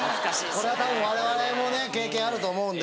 これはたぶんわれわれもね経験あると思うんで。